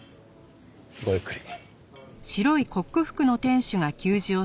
ごゆっくり。